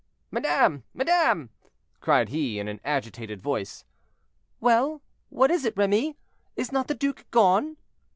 "Madame! madame!" cried he, in an agitated voice. "Well, what is it, Remy; is not the duke gone?"